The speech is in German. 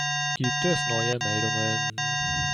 Gibt es neue Meldungen?